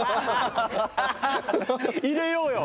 入れようよ！